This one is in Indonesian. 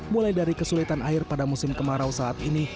mulai dari kesulitan air pada musim kemarau saat ini